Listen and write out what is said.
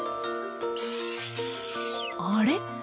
あれ？